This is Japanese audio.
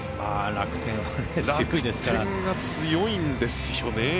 楽天は強いんですよね。